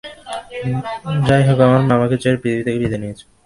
যাই হোক, আমার মা আমাকে ছেড়ে পৃথিবীতে থেকে বিদায় নিয়েছেন।